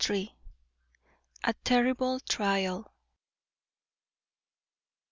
A TERRIBLE TRIAL.